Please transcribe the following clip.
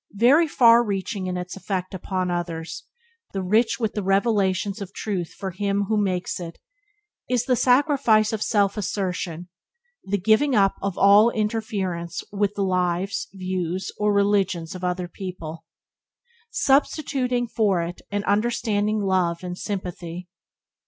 Very far reaching in its effect upon others, and rich with the revelations of Truth for him who makes it, is the sacrifice of self assertion — the giving up of all interference with the lives, views, or religion of other people, substituting for it an understanding love and sympathy.